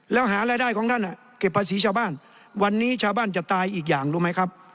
แล้วหารายได้ของท่านเก็บภาษีชาวบ้านวันนี้ชาวบ้านจะตายอีกอย่างรู้ไหมครับ